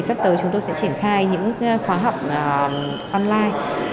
sắp tới chúng tôi sẽ triển khai những khóa học online